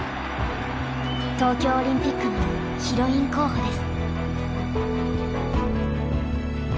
東京オリンピックのヒロイン候補です。